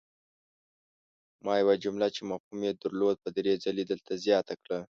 ما یوه جمله چې مفهوم ېې درلود په دري ځلې دلته زیاته کړه!